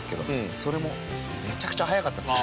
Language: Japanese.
それもめちゃくちゃ速かったですね。